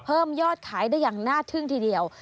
เพิ่มยอดขายได้อย่างน่าทึ่งทีเดียว